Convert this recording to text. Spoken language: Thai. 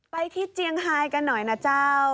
ไปที่เจียงไฮกันหน่อยนะเจ้า